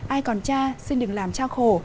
ai còn cha xin đừng làm cha khổ